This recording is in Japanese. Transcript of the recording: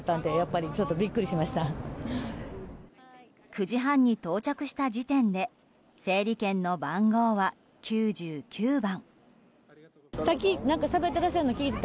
９時半に到着した時点で整理券の番号は９９番。